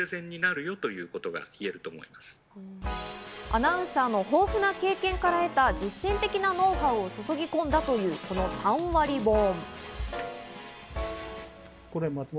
アナウンサーの豊富な経験から得えた実践的なノウハウを注ぎ込んだというこの３割本。